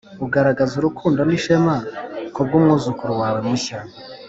ugaragaza urukundo n'ishema kubwumwuzukuru wawe mushya